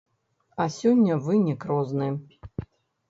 А сёння вынік розны.